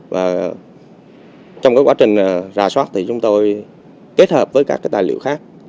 và trong quá trình ra soát thì chúng tôi kết hợp với các cái tài liệu khác